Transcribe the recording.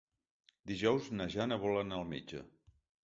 Dijous na Jana vol anar al metge.